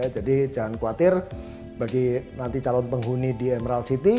jadi jangan khawatir bagi nanti calon penghuni di emerald city